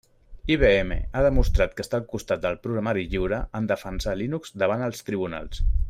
IBM ha demostrat que està al costat del programari lliure en defensar Linux davant els tribunals.